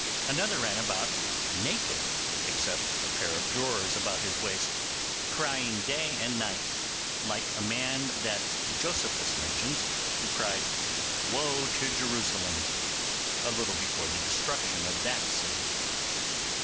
Another ran about naked, except a pair of drawers about his waist, crying day and night, like a man that Josephus mentions, who cried, 'Woe to Jerusalem!' a little before the destruction of that city.